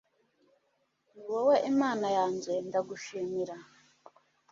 ni wowe imana yanjye, ndagushimira